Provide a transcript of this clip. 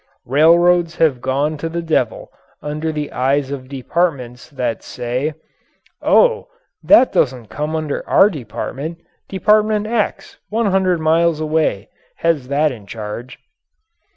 Railroads have gone to the devil under the eyes of departments that say: "Oh, that doesn't come under our department. Department X, 100 miles away, has that in charge."